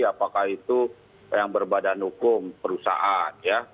apakah itu yang berbadan hukum perusahaan